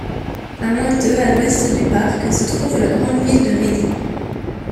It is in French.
À moins de à l'ouest du parc se trouve la grande ville de Redding.